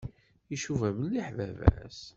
Icuba mliḥ baba-s.